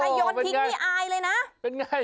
ใครโยนพิกก็อายเลยนะ